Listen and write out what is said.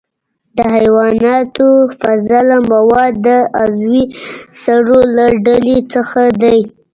د حیواناتو فضله مواد د عضوي سرو له ډلې څخه دي.